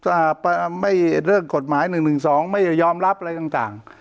อ่าไม่เรื่องกฎหมายหนึ่งหนึ่งสองไม่ยอมรับอะไรต่างต่าง